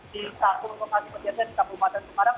di satu lokasi kejadian di kabupaten semarang